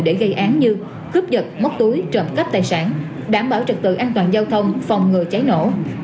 để gây án như khúc giật mất túi trộm cắp tài sản đảm bảo trực tự an toàn giao thông phòng ngừa cháy nổ